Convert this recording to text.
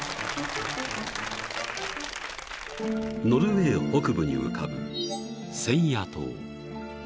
［ノルウェー北部に浮かぶセンヤ島］